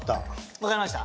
分かりました？